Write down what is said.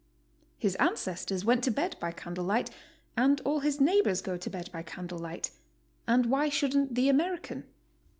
His ancestors went to bed by candle light and all his neighbors go to bed by candle light, and why shouldn't the Americpu?